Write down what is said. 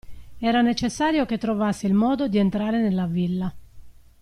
Era necessario che trovasse il modo di entrare nella villa.